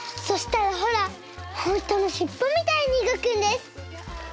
そしたらほらほんとのしっぽみたいにうごくんです。